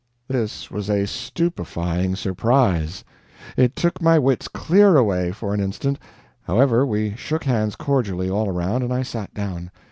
This was a stupefying surprise. It took my wits clear away, for an instant. However, we shook hands cordially all around, and I sat down.